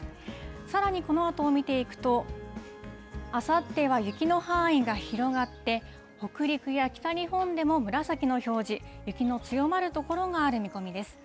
さらにこのあとを見ていくと、あさっては雪の範囲が広がって、北陸や北日本でも紫の表示、雪の強まる所がある見込みです。